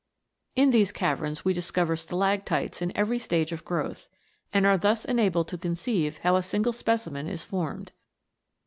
In these caverns we discover stalactites in every stage of growth, and are thus enabled to conceive how a single specimen is formed.